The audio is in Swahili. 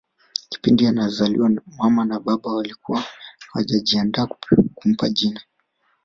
Kipindi anazaliwa mama na baba walikuwa hawajajiandaa kumpa jina